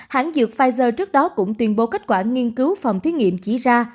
hãng dược pfizer trước đó cũng tuyên bố kết quả nghiên cứu phòng thí nghiệm chỉ ra